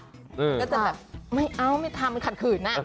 ก็จะแบบไม่เอาไม่ทำมันขัดขืน